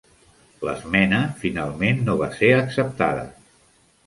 L'esmena finalment no va ser acceptada.